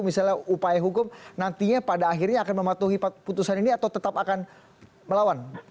misalnya upaya hukum nantinya pada akhirnya akan mematuhi putusan ini atau tetap akan melawan